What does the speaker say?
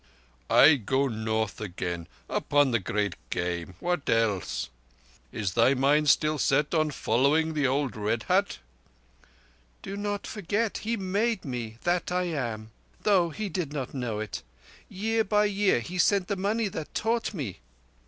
"I go North again, upon the Great Game. What else? Is thy mind still set on following old Red Hat?" "Do not forget he made me that I am—though he did not know it. Year by year, he sent the money that taught me."